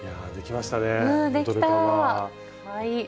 かわいい。